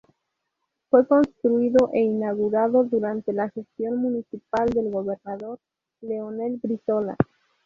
Fue construido e inaugurado durante la gestión municipal del gobernador Leonel Brizola.